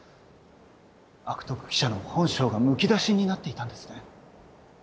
悪徳記者の本性がむき出しになっていたんですね？